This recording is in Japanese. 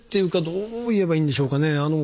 どう言えばいいんでしょうかね。